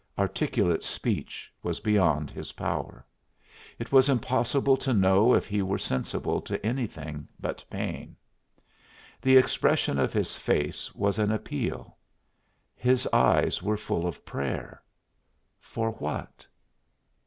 Articulate speech was beyond his power; it was impossible to know if he were sensible to anything but pain. The expression of his face was an appeal; his eyes were full of prayer. For what?